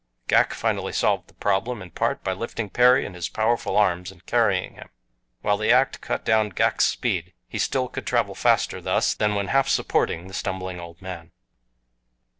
Ghak finally solved the problem, in part, by lifting Perry in his powerful arms and carrying him. While the act cut down Ghak's speed he still could travel faster thus than when half supporting the stumbling old man.